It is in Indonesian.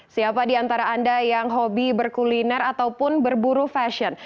siapa di antara anda yang hobi berkuliner ataupun berburu fashion